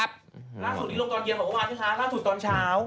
ล่าสุดที่ลงตอนเยียมของวันสิคะล่าสุดตอนเช้า